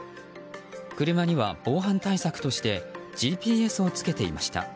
車には防犯対策としてＧＰＳをつけていました。